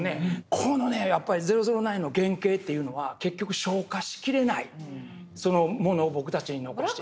このね「００９」の原形というのは結局消化しきれないそのものを僕たちに残して。